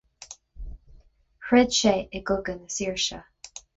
Throid sé i gCogadh na Saoirse.